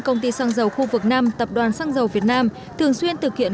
công ty xăng dầu khu vực năm tập đoàn xăng dầu việt nam thường xuyên thực hiện